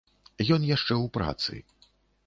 Ён яшчэ ў працы.